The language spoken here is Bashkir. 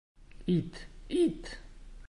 Ит, ит!